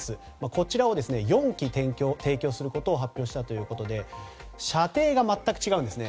こちらを４基、提供することを発表したということで射程が全く違うんですね。